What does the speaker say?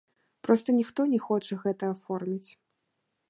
Проста ніхто не хоча гэта аформіць.